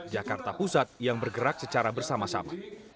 jakarta pusat yang bergerak secara bersama sama